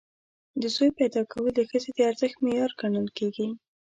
د زوی پیدا کول د ښځې د ارزښت معیار ګڼل کېږي.